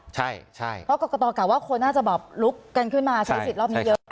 ใช่เพราะกรกตกล่าวว่าคนน่าจะแบบลุกกันขึ้นมาใช้สิทธิ์รอบนี้เยอะ